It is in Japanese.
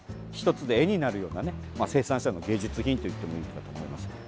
１つで絵になるようなね生産者の芸術品といってもいいと思います。